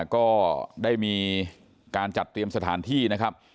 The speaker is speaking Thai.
ก็ได้มีการจัดเตรียมสถานที่นะครับ